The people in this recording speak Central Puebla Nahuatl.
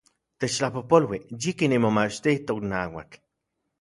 Techtlapojpolui, yikin nimomachtijtok nauatl